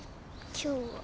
今日は。